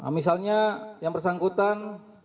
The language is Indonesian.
misalnya yang bersangkutan